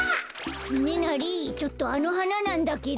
つねなりちょっとあのはななんだけど。